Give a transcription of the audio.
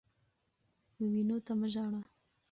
وینو ته مه ژاړه.